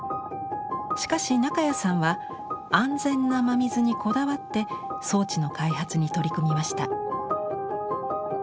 しかし中谷さんは安全な真水にこだわって装置の開発に取り組みました。